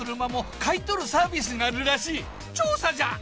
調査じゃ！